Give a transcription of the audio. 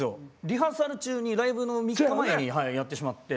リハーサル中にライブの３日前にやってしまって。